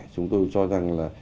chúng tôi cho rằng là